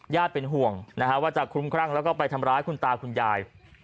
เป็นห่วงนะฮะว่าจะคุ้มครั่งแล้วก็ไปทำร้ายคุณตาคุณยาย